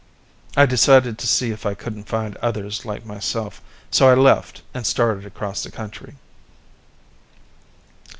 I decided to see if I couldn't find any others like myself, so I left and started across the country."